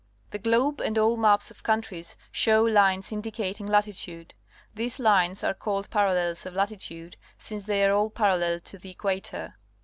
The globe and all maps of countries show lines indicating latitude. These lines are called Parallels of Latitude, since they are all parallel to the equator.